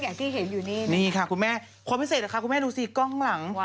อย่างที่เห็นอยู่นี่นี่ค่ะคุณแม่ความพิเศษนะคะคุณแม่ดูสิกล้องข้างหลัง